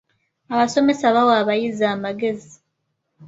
Abasomesa bawa abayizi amagezi.